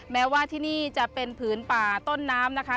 แม้ว่าที่นี่จะเป็นผืนป่าต้นน้ำนะคะ